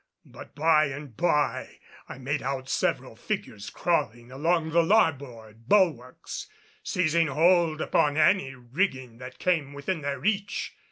But by and by I made out several figures crawling along the larboard bulwarks, seizing hold upon any rigging that came within their reach.